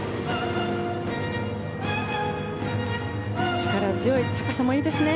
力強い、高さもいいですね。